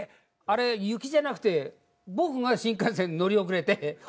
あれ雪じゃなくて僕が新幹線に乗り遅れて遅れたんです。